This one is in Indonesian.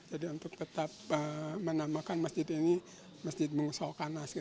jadi untuk tetap menamakan masjid ini masjid mungsolkanas